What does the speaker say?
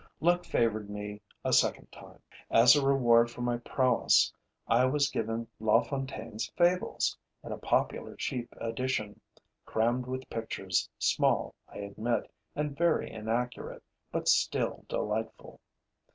Luck favored me a second time. As a reward for my prowess, I was given La Fontaine's Fables, in a popular, cheap edition, crammed with pictures, small, I admit, and very inaccurate, but still delightful.